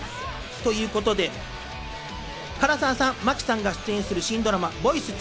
ということで、唐沢さん、真木さんが出演する新ドラマ『ボイス２』。